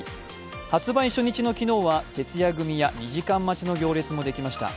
発売初日の昨日は徹夜組や２時間待ちの行列もできました。